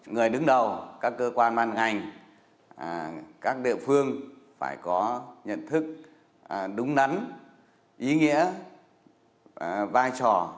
người đứng đầu các cơ quan man ngành các địa phương phải có nhận thức đúng nắn ý nghĩa vai trò vị trí tầm quan trọng của đề án số sáu